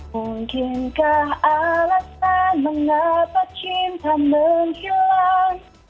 mungkinkah alasan mengapa cinta menghilang